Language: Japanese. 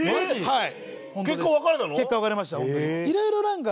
はい。